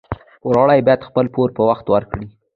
پوروړي باید خپل پور په وخت ورکړي